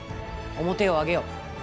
面を上げよ。